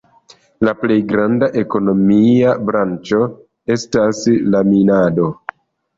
La plej granda ekonomia branĉo estas la minado.